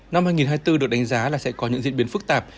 năm hai nghìn hai mươi bốn được đánh giá là sẽ có những diễn biến phức tạp